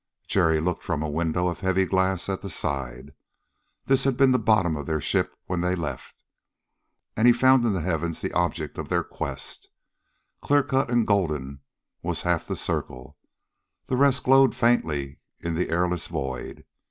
Jerry looked from a window of heavy glass at the side. This had been the bottom of their ship when they left. And he found in the heavens the object of their quest. Clear cut and golden was half the circle; the rest glowed faintly in the airless void.